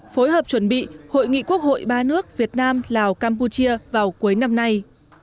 phối hợp chuẩn bị hội nghị quốc hội ba nước việt nam lào campuchia vào cuối năm nay